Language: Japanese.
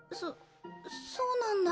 そそうなんだ。